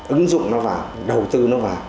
ứng dụng nó vào đầu tư nó vào